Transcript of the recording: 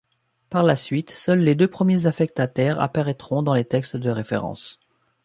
Par la suite, seuls les deux premiers affectataires apparaîtront dans les textes de référence.